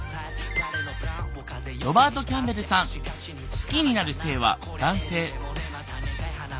好きになる性は男性。